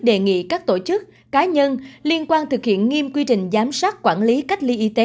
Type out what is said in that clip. đề nghị các tổ chức cá nhân liên quan thực hiện nghiêm quy trình giám sát quản lý cách ly y tế